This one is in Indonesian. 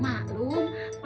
leha cepetan leha